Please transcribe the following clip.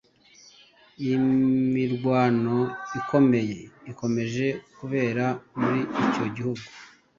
Iyi mirwano ikomeye ikomeje kubera muri icyo gihugu